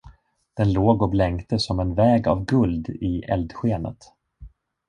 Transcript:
Den låg och blänkte som en väg av guld i eldskenet.